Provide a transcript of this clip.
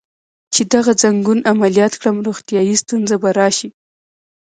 چې دغه ځنګون عملیات کړم، روغتیایی ستونزه به راشي.